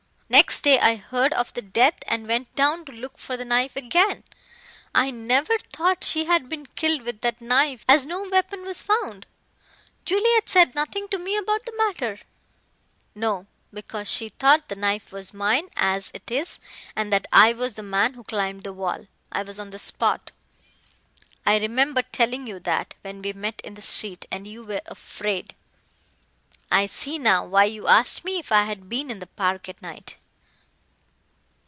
Next day I heard of the death and went down to look for the knife again. I never thought she had been killed with that knife, as no weapon was found. Juliet said nothing to me about the matter " "No. Because she thought the knife was mine, as it is, and that I was the man who climbed the wall. I was on the spot. I remember telling you that, when we met in the street, and you were afraid. I see now why you asked me if I had been in the park at night."